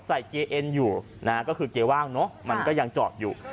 ใส่เกย์เอ็นอยู่ก็คือเกย์ว่างมันก็ยังจอดอยู่